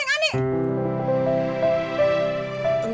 lu apaan dengan ane